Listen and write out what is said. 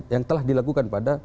yang telah dilakukan pada